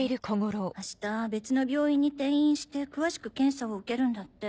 あした別の病院に転院して詳しく検査を受けるんだって。